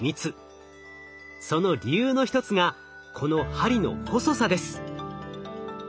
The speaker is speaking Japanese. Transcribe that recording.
その理由の一つがこの針の細さです。